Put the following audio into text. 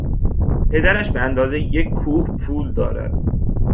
پدرش به اندازهی یک کوه پول دارد.